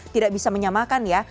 tidak bisa menyamakan ya